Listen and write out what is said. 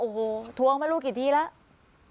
โอ้โหทวงไม่รู้กี่ทีแล้ว